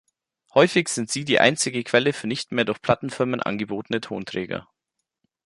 Häufig sind sie einzige Quelle für nicht mehr durch Plattenfirmen angebotene Tonträger.